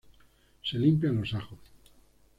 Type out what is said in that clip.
Se limpian los ajos